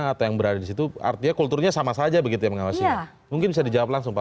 atau yang berada di situ artinya kulturnya sama saja begitu ya mengawasi mungkin bisa dijawab langsung pak